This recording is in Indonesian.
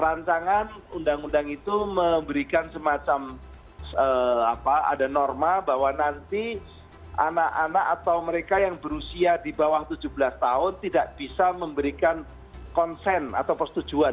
rancangan undang undang itu memberikan semacam ada norma bahwa nanti anak anak atau mereka yang berusia di bawah tujuh belas tahun tidak bisa memberikan konsen atau persetujuan